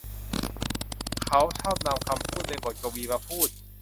เขาชอบนำคำพูดในบทกวีมาพูด